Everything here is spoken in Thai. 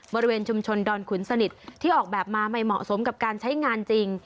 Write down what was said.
บริเวณชุมชนดอนขุนสนิทที่ออกแบบมาไม่เหมาะสมกับการใช้งานจริง